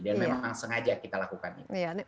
dan memang sengaja kita lakukan ini